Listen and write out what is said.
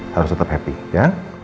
harus tetap happy ya